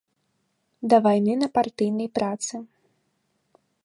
Да вайны на партыйнай працы.